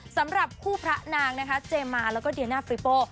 สำหรับคู่พระนางเจมมาและเดียน่าฟริปโป้